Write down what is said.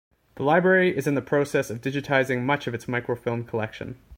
The library is in the process of digitizing much of its microfilm collection.